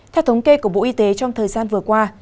theo thống kê của bộ y tế trong thời gian vừa qua